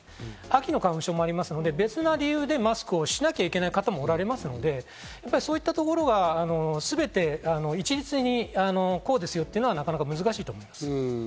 秋の花粉症もありますので、別な理由でマスクをしなきゃいけない方もおられますので、そういったところが全て一律にこうですよというのはなかなか難しいと思います。